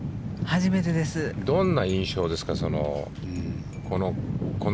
どんな印象ですか？